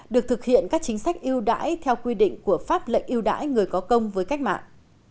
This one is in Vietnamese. được thực hiện các chính sách yêu đãi theo quy định của pháp lệnh yêu đãi người có công với cách mạng